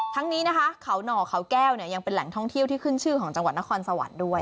ทั้งนี้นะคะเขาหน่อเขาแก้วเนี่ยยังเป็นแหล่งท่องเที่ยวที่ขึ้นชื่อของจังหวัดนครสวรรค์ด้วย